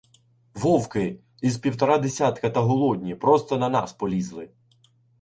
— Вовки! Із півтора десятка, та голодні, — просто на нас полізли.